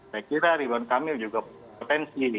saya kira ridwan kamil juga potensi